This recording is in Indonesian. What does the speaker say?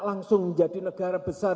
langsung menjadi negara besar